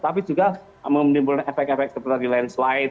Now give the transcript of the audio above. tapi juga menimbulkan efek efek seperti landslide